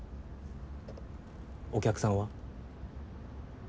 お客さんは？